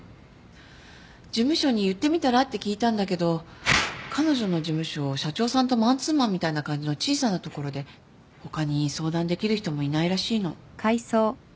「事務所に言ってみたら？」って聞いたんだけど彼女の事務所社長さんとマンツーマンみたいな感じの小さな所で他に相談できる人もいないらしいの。